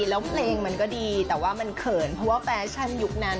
แล้วเพลงมันก็ดีแต่ว่ามันเขินเพราะว่าแฟชั่นยุคนั้น